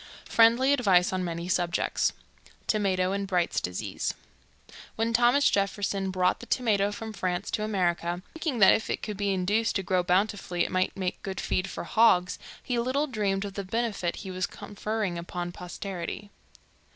FRIENDLY ADVICE ON MANY SUBJECTS. Tomato in Bright's Disease. When Thomas Jefferson brought the tomato from France to America, thinking that if it could be induced to grow bountifully it might make good feed for hogs, he little dreamed of the benefit he was conferring upon posterity.